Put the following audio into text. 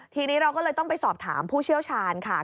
ทีนี้เราก็เลยต้องไปสอบถามผู้เชี่ยวชาญค่ะ